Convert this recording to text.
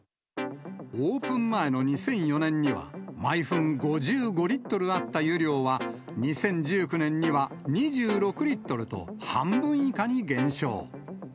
オープン前の２００４年には、毎分５５リットルあった湯量は、２０１９年には２６リットルと、半分以下に減少。